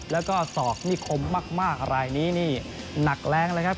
แล้วก็ศอกนิคมมากรายนี้นี่หนักแรงเลยครับ